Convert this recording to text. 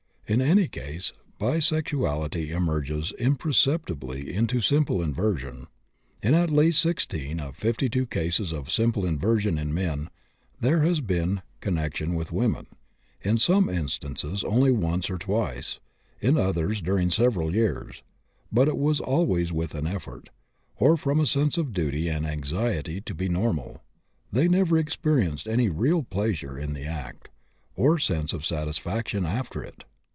In any case bisexuality merges imperceptibly into simple inversion. In at least 16 of 52 cases of simple inversion in men there has been connection with women, in some instances only once or twice, in others during several years, but it was always with an effort, or from a sense of duty and anxiety to be normal; they never experienced any real pleasure in the act, or sense of satisfaction after it.